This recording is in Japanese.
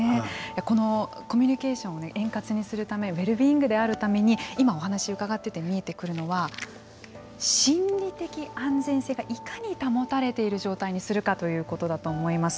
このコミュニケーションを円滑にするためウェルビーイングであるために今お話をうかがってて見えてくるのは心理的安全性がいかに保たれている状態にするかということだと思います。